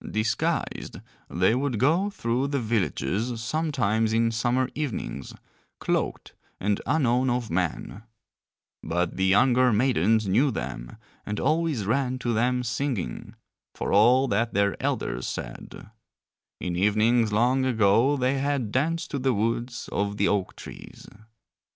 Disguised they would go through the villages sometimes in summer evenings, cloaked and unknown of men; but the younger maidens knew them and always ran to them singing, for all that their elders said: in evenings long ago they had danced to the woods of the oak trees.